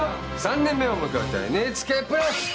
３年目を迎えたＮＨＫプラス！